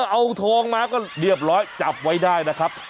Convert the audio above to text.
เอาทองมาก็เรียบร้อยจับไว้ได้นะครับ